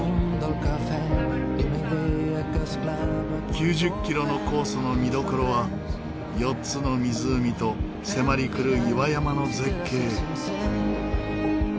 ９０キロのコースの見どころは４つの湖と迫り来る岩山の絶景。